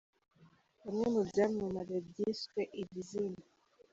Bamwe mu byamamare byiswe iri zina.